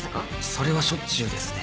それはしょっちゅうですね。